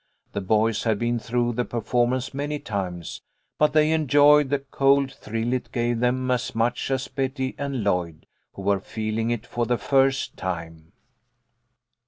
The boys had been through the performance many times, but they en joyed the cold thrill it gave them as much as Betty and Lloyd, who were feeling it for the first time.